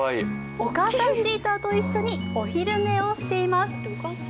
お母さんチーターと一緒にお昼寝をしています。